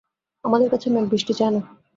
আমাদের কাছে মেঘ-বৃষ্টি চায় না।